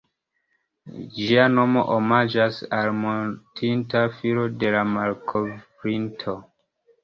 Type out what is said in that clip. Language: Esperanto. Ĝia nomo omaĝas al mortinta filo de la malkovrinto.